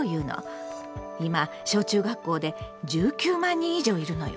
今小中学校で１９万人以上いるのよ。